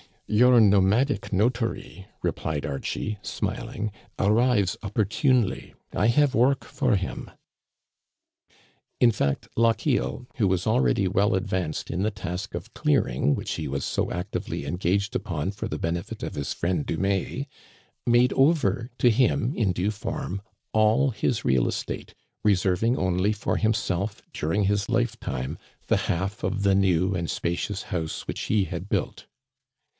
"Your nomadic notary," replied Archie, smiling, "arrives opportunely. I have work for him." In fact, Lochiel, who was already well advanced in the task of clearing which he was so actively engaged Digitized by VjOOQIC 286 THE CANADIANS OF OLD, upon for the benefit of his friend Dumais, made over to him in due form all his real estate, reserving only for himself during his life time the half of the new and spacious house which he had built.